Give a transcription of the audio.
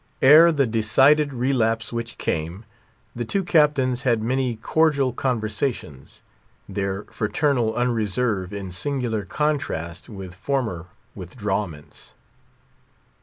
Ere the decided relapse which came, the two captains had many cordial conversations—their fraternal unreserve in singular contrast with former withdrawments.